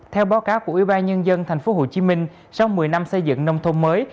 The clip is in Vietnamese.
theo báo cáo của ubnd tp hcm sau một mươi năm xây dựng nông thôn mới